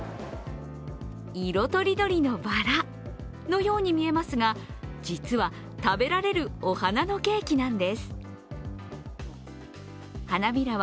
色とりどりのバラのように見えますが、実は、食べられるお花のケーキなんです。